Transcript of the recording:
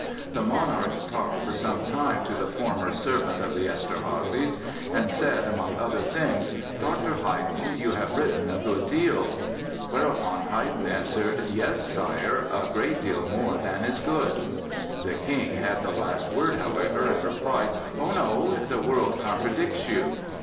The monarch talked for some time to the former "servant" of the Eszterházys and said, among other things, "Dr. Haydn, you have written a good deal." Whereupon Haydn answered: "Yes, Sire, a great deal more than is good." The King had the last word, however, and replied: "Oh, no; the world contradicts you."